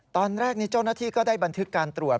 ตอนแรกนี้เจ้าหน้าที่ก็ได้บันทึกการตรวจ